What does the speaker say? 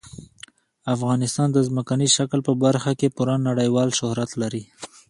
افغانستان د ځمکني شکل په برخه کې پوره نړیوال شهرت لري.